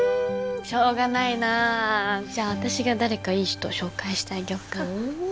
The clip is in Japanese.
しょうがないなーじゃあ私が誰かいい人紹介してあげよっかな？